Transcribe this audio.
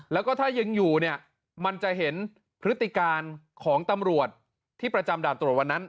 แล้วก็ถ้ายังอยู่เนี่ยมันจะเห็นพฤติการของตำรวจที่ประจำด่านตรวจวันนั้น